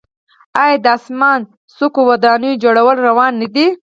آیا د اسمان څکو ودانیو جوړول روان نه دي؟